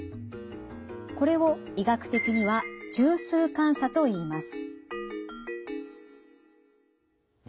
これを医学的には中枢感作といいます。